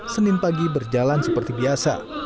senin pagi berjalan seperti biasa